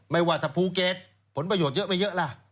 ไม่ว่าถ้าภูเก็ตผลประโยชน์เยอะไม่เยอะล่ะ